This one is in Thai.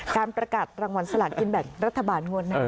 การประกาศรางวัลสลัดกินแบบรัฐบาลงวลนั้น